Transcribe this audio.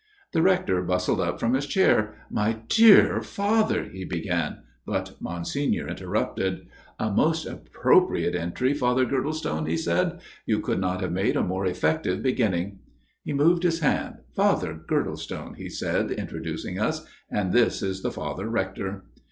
The Rector bustled up from his chair. " My dear Father " he began ; but Monsignor interrupted. " A most appropriate entry, Father Girdlestone," he said. " You could not have made a more effective beginning." He moved his hand. " Father Girdlestone," he said, introducing us " And this is the Father Rector."